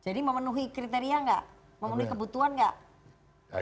jadi memenuhi kriteria gak memenuhi kebutuhan gak